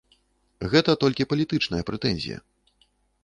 Гэта толькі палітычная прэтэнзія.